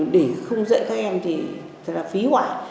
để không dạy các em thì thật là phí hoại